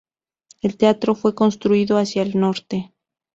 El teatro fue construido hacia el norte.